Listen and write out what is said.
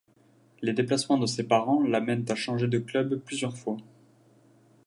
Les déplacements de ses parents l'amènent à changer de clubs plusieurs fois.